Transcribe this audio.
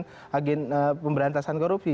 komitmen agen pemberantasan korupsi